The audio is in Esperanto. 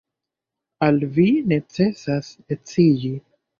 Al vi necesas edziĝi.